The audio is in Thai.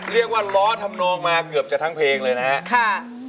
เรียกว่าล้อทำโนนะเกือบจะทั้งเพลงเลยนะครับ